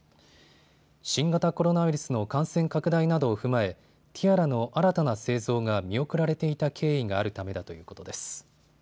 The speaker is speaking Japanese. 新型コロナウイルスの感染拡大などを踏まえティアラの新たな製造が見送られていた経緯があるためだということです。